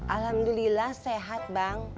alhamdulillah sehat bang